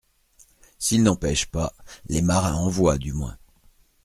—S'ils n'en pêchent pas, les marins en voient du moins.